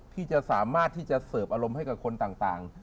ที่จะสามารถที่จะเสิร์ฟอารมณ์ให้กับคนต่าง